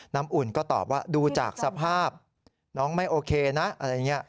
อุ่นก็ตอบว่าดูจากสภาพน้องไม่โอเคนะอะไรอย่างนี้